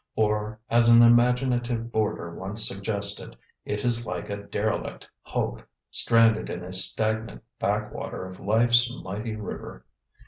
Or, as an imaginative boarder once suggested, it is like a derelict hulk, stranded in a stagnant backwater of Life's mighty River.